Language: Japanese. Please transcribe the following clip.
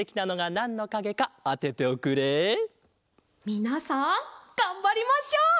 みなさんがんばりましょう。